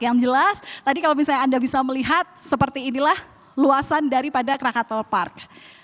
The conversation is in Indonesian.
yang jelas tadi kalau misalnya anda bisa melihat seperti inilah luasan daripada krakatau park